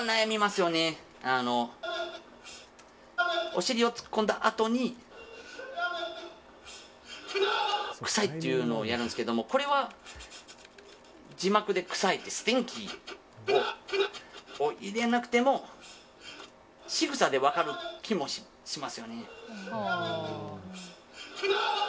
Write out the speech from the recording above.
お尻をツッコんだあとに臭いっていうのをやるんですけどこれは字幕で臭いってスティンキーを入れなくてもしぐさで分かる気もしますよね。